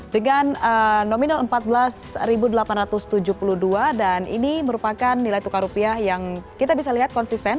dengan nominal empat belas delapan ratus tujuh puluh dua dan ini merupakan nilai tukar rupiah yang kita bisa lihat konsisten